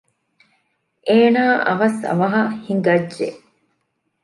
އޭނާ އަވަސް އަވަހަށް ހިނގައްޖެ